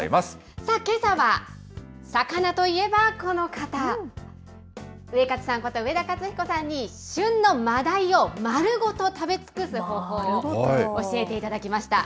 さあ、けさは魚といえばこの方、ウエカツさんこと上田勝彦さんに、旬のマダイを丸ごと食べつくす方法を教えていただきました。